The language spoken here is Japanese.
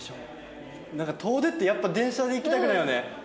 なんか遠出ってやっぱ電車で行きたくないよね。